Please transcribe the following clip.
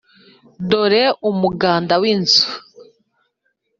dore umuganda w'inzu.